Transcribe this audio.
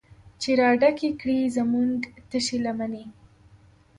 چې راډکې کړي زمونږ تشې لمنې